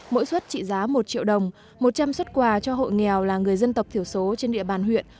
mỗi suất trị giá một triệu đồng một trăm linh xuất quà cho hộ nghèo là người dân tộc thiểu số trên địa bàn huyện